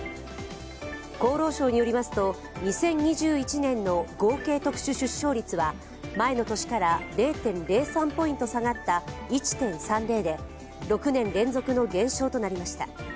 厚労省によりますと２０２１年の合計特殊出生率は前の年から０．０３ポイント下がった１．３０で６年連続の減少となりました。